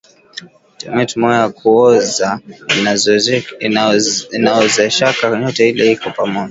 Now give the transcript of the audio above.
Tomate moya ya kuoza inaozeshaka nyote ile iko pamoya